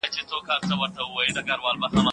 چې په پردۍ څنګل به خوب څنګه ورځينه